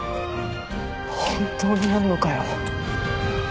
本当にやんのかよ。